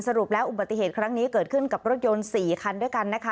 สรุปแล้วอุบัติเหตุครั้งนี้เกิดขึ้นกับรถยนต์๔คันด้วยกันนะคะ